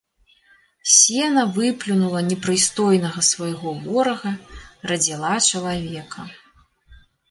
Сена выплюнула непрыстойнага свайго ворага, радзіла чалавека.